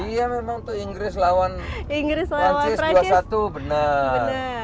iya memang untuk inggris lawan perancis dua puluh satu benar